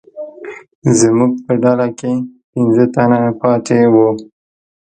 زموږ په ډله کې پنځه تنه پاتې وو.